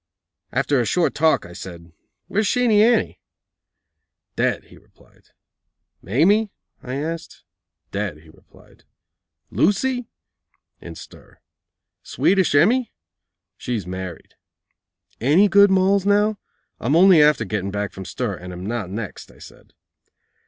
After a short talk, I said: "Where's Sheenie Annie?" "Dead," he replied. "Mamie?" I asked. "Dead," he replied. "Lucy?" "In stir." "Swedish Emmy?" "She's married." "Any good Molls now? I'm only after getting back from stir and am not next," I said.